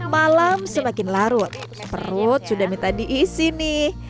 malam semakin larut perut sudah minta diisi nih